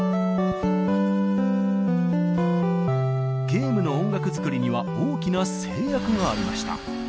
ゲームの音楽作りには大きな制約がありました。